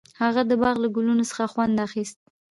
هغه د باغ له ګلونو څخه خوند اخیست.